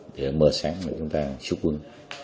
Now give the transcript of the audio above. để mơ sáng để chúng ta xúc quân